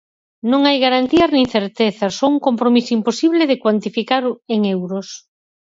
Non hai garantías nin certezas, só un compromiso imposible de cuantificar en euros.